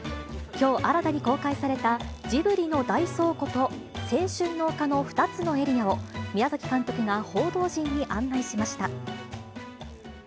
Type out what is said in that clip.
きょう、新たに公開されたジブリの大倉庫と、青春の丘の２つのエリアを宮崎監督が報道陣に案内しました。